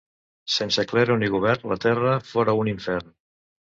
Sense clero ni govern la terra fora un infern.